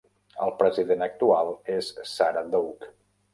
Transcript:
El president actual és Sara Doke.